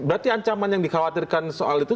berarti ancaman yang dikhawatirkan soal itu